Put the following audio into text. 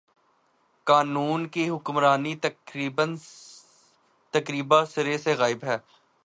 قانون کی حکمرانی تقریبا سر ے سے غائب ہے۔